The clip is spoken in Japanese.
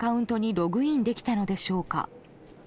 ログインできたのでしょうか。